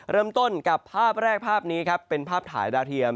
เริ่มต้นกับภาพแรกภาพนี้ครับเป็นภาพถ่ายดาวเทียม